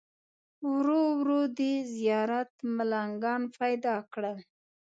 ورو ورو دې زیارت ملنګان پیدا کړل.